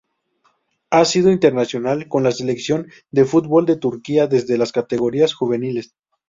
Ha sido internacional con la Selección de fútbol de Turquía desde las categorías juveniles.